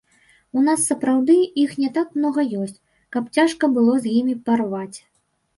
У нас сапраўды іх не так многа ёсць, каб цяжка было з імі парваць.